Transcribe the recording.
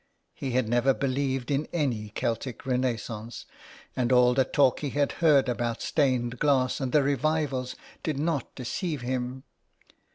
'' He had never believed in any Celtic renaissance, and all the talk he had heard about stained glass and the revivals did not deceive him.